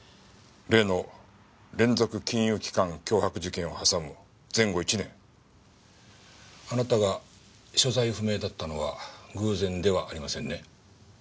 例の連続金融機関脅迫事件を挟む前後１年あなたが所在不明だったのは偶然ではありませんね？